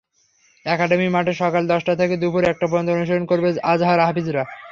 Academy মাঠে সকাল দশটা থেকে দুপুর একটা পর্যন্ত অনুশীলন করবেন আজহার-হাফিজরা।